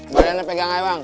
badannya pegang aja bang